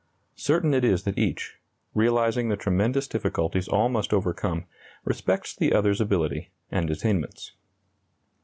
Certain it is that each, realizing the tremendous difficulties all must overcome, respects the others' ability and attainments.